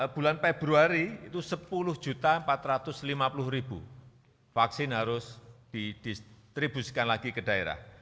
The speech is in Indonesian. bulan februari itu sepuluh empat ratus lima puluh vaksin harus didistribusikan lagi ke daerah